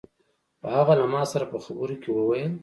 خو هغه له ما سره په خبرو کې وويل.